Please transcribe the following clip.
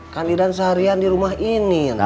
kan ida sehari di rumah sebelumnya